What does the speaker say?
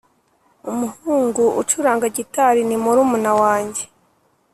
umuhungu ucuranga gitari ni murumuna wanjye.